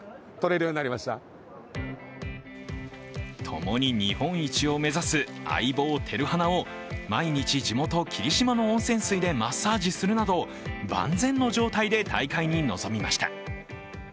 共に日本一を目指す相棒、てるはなを毎日、地元・霧島の温泉水でマッサージするなど、万全の状態で大会に臨みました。